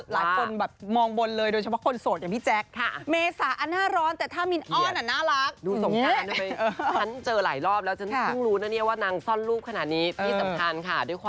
หลายคนแบบมองบนเลยโดยเฉพาะคนโสดอย่างพี่แจ๊ค